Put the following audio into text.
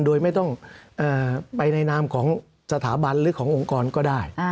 โดยไม่ต้องไปในนามของสถาบันหรือขององค์กรก็ได้